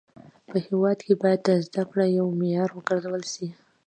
په هيواد کي باید زده کړه يو معيار و ګرځول سي.